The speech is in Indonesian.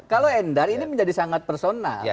kalau endar ini menjadi sangat personal